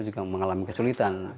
juga mengalami kesulitan